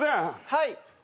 はい。